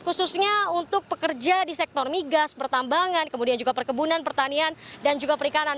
khususnya untuk pekerja di sektor migas pertambangan kemudian juga perkebunan pertanian dan juga perikanan